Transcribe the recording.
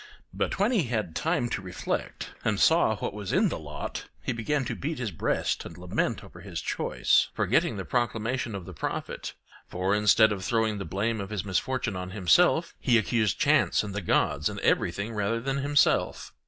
But when he had time to reflect, and saw what was in the lot, he began to beat his breast and lament over his choice, forgetting the proclamation of the prophet; for, instead of throwing the blame of his misfortune on himself, he accused chance and the gods, and everything rather than himself.